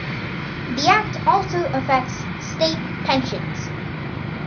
The Act also affects State Pensions.